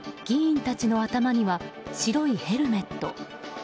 議員たちの頭には白いヘルメット。